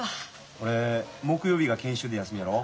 俺木曜日が研修で休みやろ。